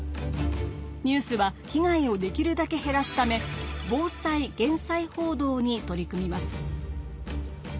ニュースは被害をできるだけ減らすため防災・減災報道に取り組みます。